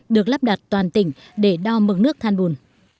được lắp đặt toàn tỉnh để đo mực nước than bùn